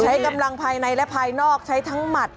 ใช้กำลังภายในและภายนอกใช้ทั้งหมัด